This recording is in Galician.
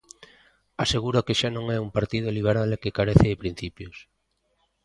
Asegura que xa non é un partido liberal e que carece de principios.